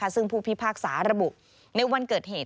ซึ่งผู้พิพากษาระบุในวันเกิดเหตุ